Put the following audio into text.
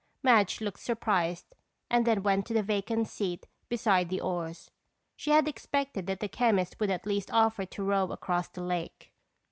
Madge looked surprised and then went to the vacant seat beside the oars. She had expected that the chemist would at least offer to row across the lake.